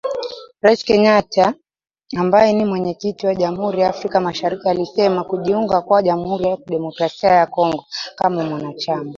Rais Kenyatta ambaye ni Mwenyekiti wa Jamhuri ya Afrika Mashariki alisema, kujiunga kwa Jamhuri ya Kidemokrasi ya Kongo kama mwanachama